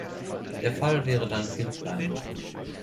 Der Fall wäre dann viel kleiner.